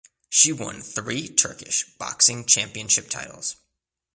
She won three Turkish Boxing Championship titles.